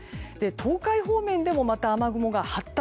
東海方面でも雨雲が発達。